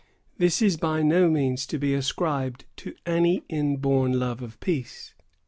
This is by no means to be ascribed to any inborn love of peace.